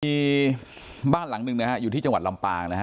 มีบ้านหลังหนึ่งนะฮะอยู่ที่จังหวัดลำปางนะฮะ